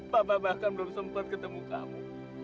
bapak bahkan belum sempat ketemu kamu